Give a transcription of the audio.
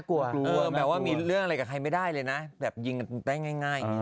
กลัวหรือมีเรื่องเลยที่ไม่ได้เลยนะยิงแต่งง่าย